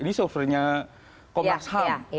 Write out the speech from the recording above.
ini surveinya komnas ham